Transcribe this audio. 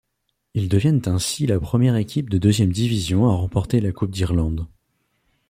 Ils deviennent ainsi la première équipe de deuxième division à remporter la Coupe d'Irlande.